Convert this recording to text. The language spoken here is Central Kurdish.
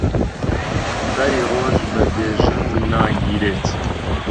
بەری ڕۆژ بە بێژنگ ناگیرێت